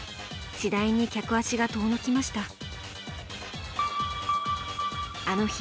次第に客足が遠のきました。